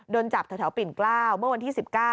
โดนจับแถวปิ่นเกล้าเมื่อวันที่๑๙